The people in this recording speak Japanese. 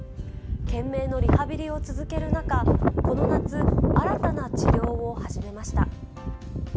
懸命のリハビリを続ける中、この夏、新たな治療を始めました。